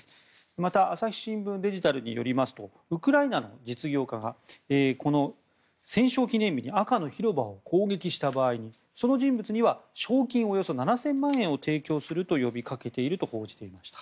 また、朝日新聞デジタルによりますとウクライナの実業家がこの戦勝記念日に赤の広場を攻撃した場合にその人物には賞金およそ７０００万円を提供すると呼びかけていると報じていました。